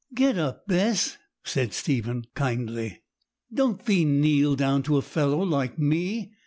'Get up, Bess,' said Stephen kindly; 'don't thee kneel down to a fellow like me.